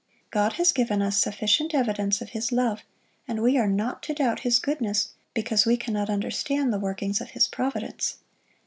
God has given us sufficient evidence of His love, and we are not to doubt His goodness because we cannot understand the workings of His providence.